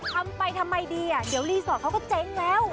ทำไปทำไมดีอ่ะเดี๋ยวรีสอร์ทเขาก็เจ๊งแล้ว